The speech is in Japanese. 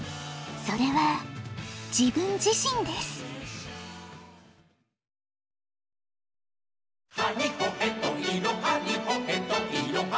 それは自分自身です「はにほへといろはにほへといろは」